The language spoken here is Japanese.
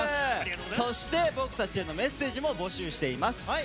そして、僕たちへのメッセージも募集しています。